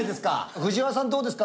藤原さんどうですか？